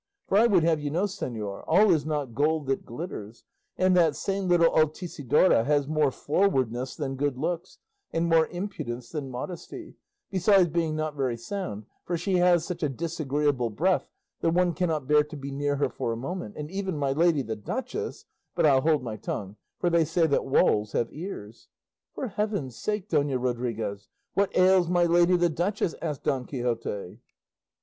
For I would have you know, señor, all is not gold that glitters, and that same little Altisidora has more forwardness than good looks, and more impudence than modesty; besides being not very sound, for she has such a disagreeable breath that one cannot bear to be near her for a moment; and even my lady the duchess but I'll hold my tongue, for they say that walls have ears." "For heaven's sake, Dona Rodriguez, what ails my lady the duchess?" asked Don Quixote.